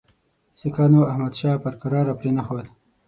سیکهانو احمدشاه پر کراره پرې نه ښود.